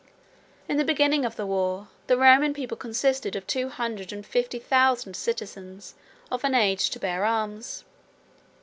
In the beginning of the war, the Roman people consisted of two hundred and fifty thousand citizens of an age to bear arms.